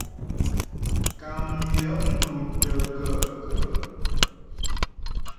Kàm yəŋ tútə́ gaə̂kə̀ ?